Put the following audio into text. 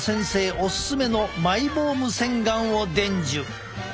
オススメのマイボーム洗顔を伝授！